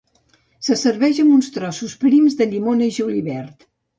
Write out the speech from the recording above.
Se serveix amb trossos prims de llimona i julivert.